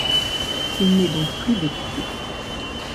Il n'est donc plus député.